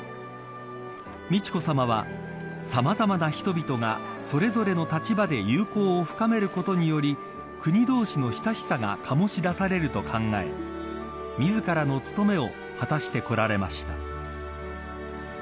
美智子さまはさまざまな人々がそれぞれの立場で友好を深めることにより国同士の親しさが醸し出されると考え自らの務めを果たしてこられました。